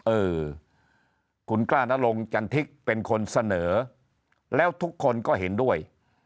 เออคุณกล้านรงจันทิกเป็นคนเสนอแล้วทุกคนก็เห็นด้วย